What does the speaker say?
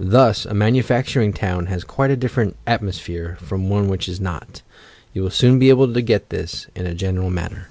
Thus, a manufac turing town has quite a different "atmosphere" from one which is not. You will soon be able to get this, in a general manner.